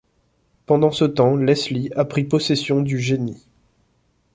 Pendant ce temps, Leslie a pris possession du génie.